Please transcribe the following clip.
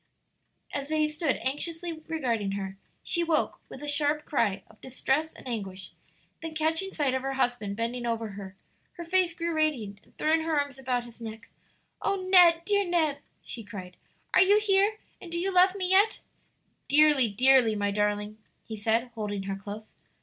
As they stood anxiously regarding her, she woke with a sharp cry of distress and anguish, then catching sight of her husband bending over her, her face grew radiant, and throwing her arms about his neck, "O Ned, dear Ned!" she cried, "are you here? and do you love me yet?" "Dearly, dearly, my darling," he said, holding her close.